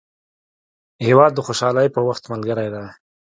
هېواد د خوشحالۍ په وخت ملګری دی.